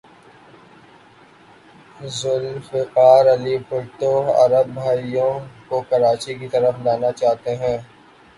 ذوالفقار علی بھٹو عرب بھائیوں کو کراچی کی طرف لانا چاہتے تھے۔